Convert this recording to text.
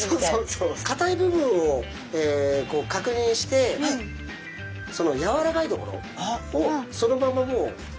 かたい部分をかくにんしてやわらかいところをそのままもう。